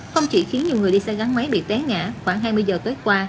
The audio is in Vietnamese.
không chỉ khiến nhiều người đi xe gắn máy bị té ngã khoảng hai mươi h tới qua